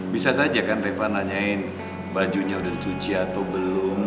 bisa saja kan rifana nanyain bajunya udah dicuci atau belum